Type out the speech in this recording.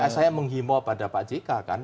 saya menghimbau pada pak jk kan